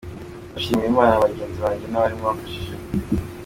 Ndashimira Imana na bagenzi banjye n’abarimu bamfashije.